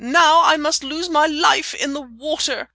Now I must lose my life in the water.